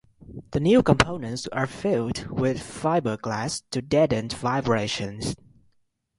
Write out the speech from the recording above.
The new components are filled with fiberglass to deaden vibrations.